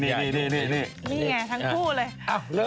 นี่ไงทั้งคู่เลย